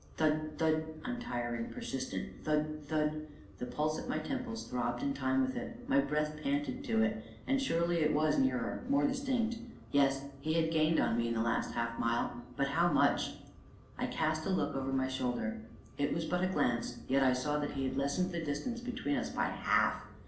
Thud! thud! untiring, persistent thud! thud! the pulse at my temples throbbed in time with it, my breath panted to it. And surely it was nearer, more distinct yes, he had gained on me in the last half mile but how much? I cast a look over my shoulder; it was but a glance, yet I saw that he had lessened the distance between us by half.